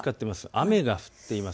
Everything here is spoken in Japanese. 雨が降っています。